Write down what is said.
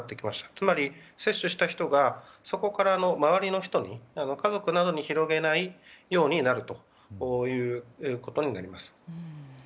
つまり、接種した人がそこから周りの人に家族などに広げないようになるということになります。